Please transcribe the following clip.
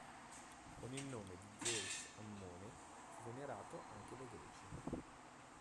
Con il nome di Zeus-Ammone, fu venerato anche dai greci.